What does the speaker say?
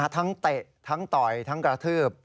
เตะทั้งต่อยทั้งกระทืบ